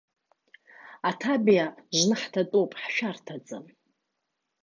Аҭабиа жны ҳҭатәоуп, ҳшәарҭаӡам.